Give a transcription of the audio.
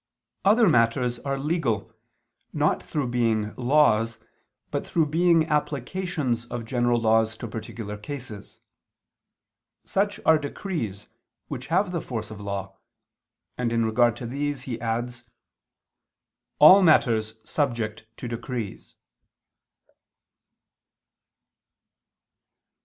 Other matters are legal, not through being laws, but through being applications of general laws to particular cases: such are decrees which have the force of law; and in regard to these, he adds "all matters subject to decrees."